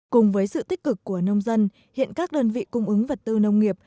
cùng với sự tích cực của nông dân hiện các đơn vị cung ứng vật tư nông nghiệp